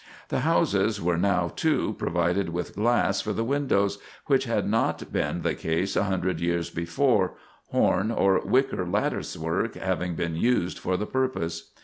The houses were now, too, provided with glass for the windows, which had not been the case a hundred years before, horn or wicker lattice work having been used for the purpose.